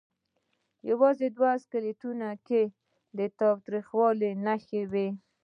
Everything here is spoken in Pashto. یوازې په دوو سکلیټونو کې د تاوتریخوالي نښې وې.